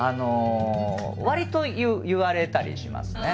わりと言われたりしますね。